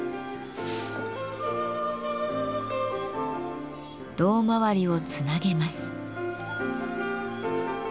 胴まわりをつなげます。